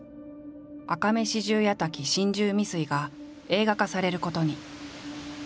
「赤目四十八瀧心中未遂」が映画化されることに。